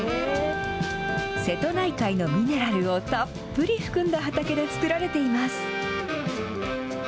瀬戸内海のミネラルをたっぷり含んだ畑で作られています。